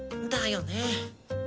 だよね。